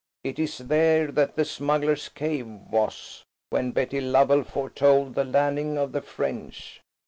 It is there that the smugglers' cave was, when Betty Lovell foretold the landing of the French."